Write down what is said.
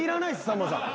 さんまさん。